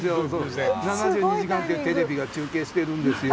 「７２時間」っていうテレビが中継してるんですよ。